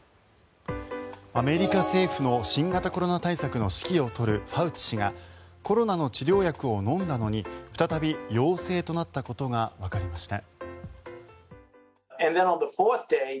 アメリカ政府の新型コロナ対策の指揮を執るファウチ氏がコロナの治療薬を飲んだのに再び陽性となったことがわかりました。